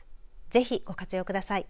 ぜひ、ご活用ください。